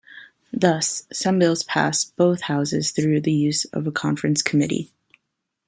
Thus, some bills pass both Houses through the use of a conference committee.